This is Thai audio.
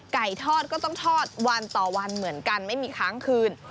ไก่ทอดก็ต้องทอดวันต่อวันเหมือนกันไม่มีค้างคืน